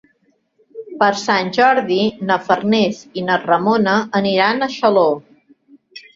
Per Sant Jordi na Farners i na Ramona aniran a Xaló.